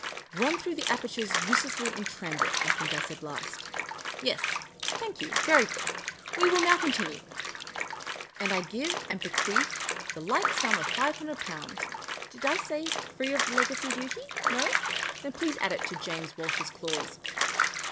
' Run through the apertures uselessly in transit,' I think I said last. Yes, thank you. Very good. We will now continue. And I give and be quealh the like sum of Five Hundred Pounds — did I say, free of legacy duty ? No ? Then please add it to James Walsh's clause.